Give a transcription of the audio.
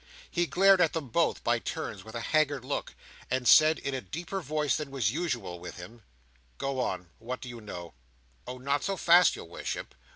He glared at them both, by turns, with a haggard look, and said, in a deeper voice than was usual with him: "Go on—what do you know?" "Oh, not so fast, your worship!